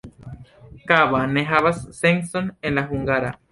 Kaba ne havas sencon en la hungara.